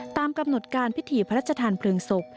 ตามกำหนดการพิธีพระราชทานเพลิงศพ